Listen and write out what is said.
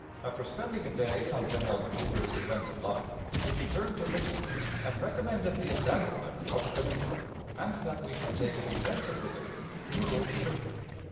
After spending a day on General Magruder's defensive line, he returned to Richmond, and recommended the abandonment of the Peninsula, and that we should take a defensive position nearer to Richmond.